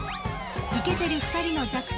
イケてる２人の弱点